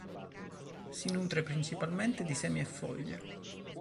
Si nutre principalmente di semi e foglie.